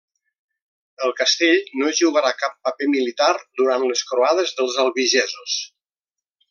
El castell no jugarà cap paper militar durant les croades dels Albigesos.